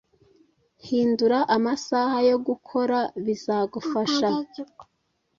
hindura amasaha yo kugakora, bizagufasha.